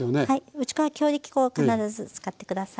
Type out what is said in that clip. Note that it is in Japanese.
打ち粉は強力粉を必ず使って下さい。